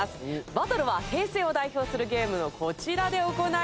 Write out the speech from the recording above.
バトルは平成を代表するゲームのこちらで行います。